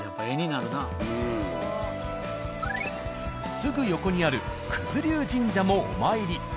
すぐ横にある九頭龍神社もお参り。